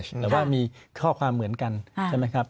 แต่ว่ามีข้อความเหมือนกันใช่ไหมครับ